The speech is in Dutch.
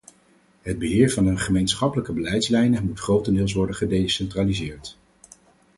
Het beheer van de gemeenschappelijke beleidslijnen moet grotendeels worden gedecentraliseerd.